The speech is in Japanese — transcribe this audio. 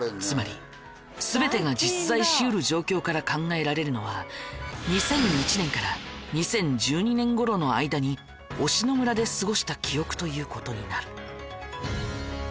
つまり全てが実在しうる状況から考えられるのは２００１年から２０１２年ごろの間に忍野村で過ごした記憶ということになる。